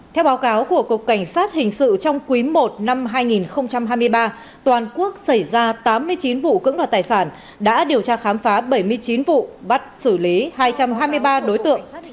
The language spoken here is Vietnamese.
theo báo cáo của cục cảnh sát hình sự trong quý i năm hai nghìn hai mươi ba toàn quốc xảy ra tám mươi chín vụ cưỡng đoạt tài sản đã điều tra khám phá bảy mươi chín vụ bắt xử lý hai trăm hai mươi ba đối tượng